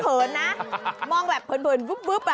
เผินนะมองแบบเผินบึ๊บอ่ะ